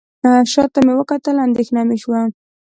شاته مې وکتل اندېښنه مې شوه.